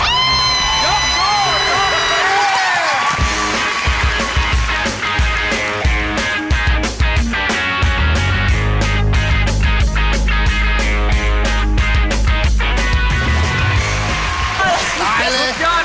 ยกโชว์ยกโชว์